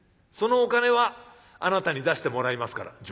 そのお金はあなたに出してもらいますから」。